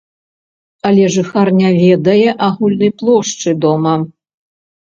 Але жыхар не ведае агульнай плошчы дома.